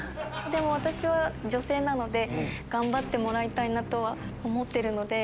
でも私は女性なので頑張ってもらいたいなとは思ってるので。